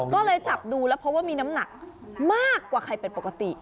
ก็เลยจับดูแล้วเพราะว่ามีน้ำหนักมากกว่าไข่เป็นปกติ